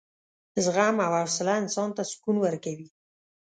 زغم او حوصله انسان ته سکون ورکوي.